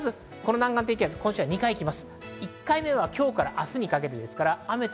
この南岸低気圧、今週は２回来ます。